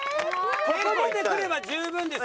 ここまで来れば十分ですよ。